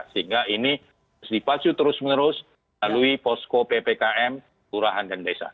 sehingga ini harus dipasu terus menerus lalui posko ppkm kelurahan dan desa